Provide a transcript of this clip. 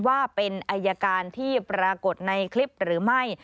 ว่าเป็นอายการที่ปรากฏในคลิปหรือไม่